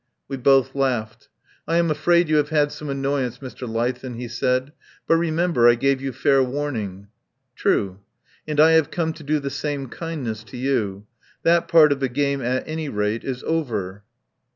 We both laughed. "I am afraid you have had some annoyance, Mr. Leithen," he said. "But remember, I gave you fair warning." "True. And I have come to do the same kindness to you. That part of the game, at any rate, is over."